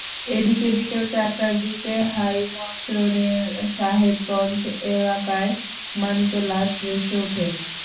এদিকে বিকেল চারটার দিকে হাইমচরের সাহেবগঞ্জ এলাকায় মানিকের লাশ ভেসে ওঠে।